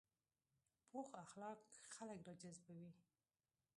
پوخ اخلاق خلک راجذبوي